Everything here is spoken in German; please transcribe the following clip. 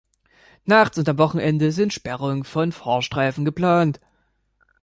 Nachts und am Wochenende sind Sperrungen von Fahrstreifen geplant.